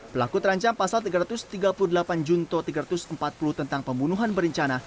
pelaku terancam pasal tiga ratus tiga puluh delapan junto tiga ratus empat puluh tentang pembunuhan berencana